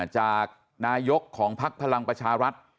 จากนายกของพักพลังประชารัฐ